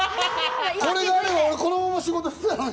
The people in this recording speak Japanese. これがあれば、このまま仕事していたのに。